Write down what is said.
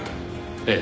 ええ。